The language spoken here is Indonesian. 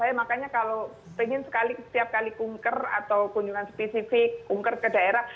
saya makanya kalau pengen setiap kali kunker atau kunjungan spesifik kunker ke daerah